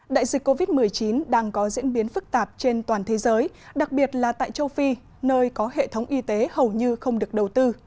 đại dịch covid một mươi chín đang có diễn biến phức tạp trên toàn thế giới đặc biệt là tại châu phi nơi có hệ thống y tế hầu như không được đầu tư